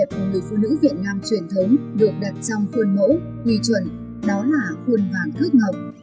nét đẹp của người phụ nữ việt nam truyền thống được đặt trong khuôn mẫu quy chuẩn đó là khuôn vàng khớt ngọc